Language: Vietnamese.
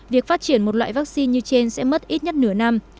việc phát triển một loại vaccine như trên sẽ mất ít nhất nửa năm